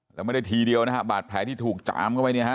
แล้วไม่ได้ทีเดียวนะฮะบาดแผลที่ถูกจามเข้าไปเนี่ยฮะ